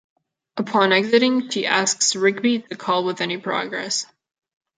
Upon exiting, she asks Rigby to call with any progress.